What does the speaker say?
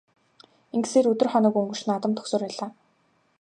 Ингэсээр өдөр хоног өнгөрч наадам дөхсөөр байлаа.